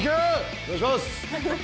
お願いします。